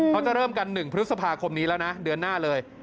เขาจะเริ่มกัน๑พฤษภาคมนี้แล้วนะเดือนหน้าเลย